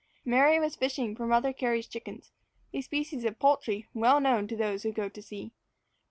Mary was fishing for Mother Cary's chickens a species of "poultry" well known to those who go to sea.